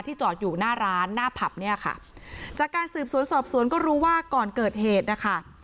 จอดอยู่หน้าร้านหน้าผับเนี่ยค่ะจากการสืบสวนสอบสวนก็รู้ว่าก่อนเกิดเหตุนะคะ